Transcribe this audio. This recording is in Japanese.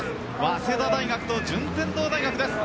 早稲田大学と順天堂大学です。